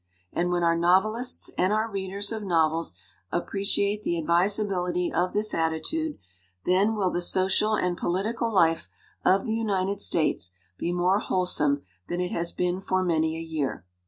And when our novelists and our readers of novels appreciate the advisability of this attitude, then will the social and political life of the United States be more wholesome than it has been for many a year.